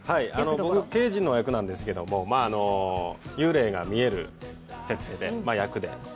僕、刑事の役なんですけど幽霊が見える設定で、役で。